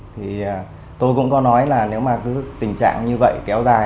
thì tôi cũng có nói là nếu mà cứ tình trạng như vậy kéo dài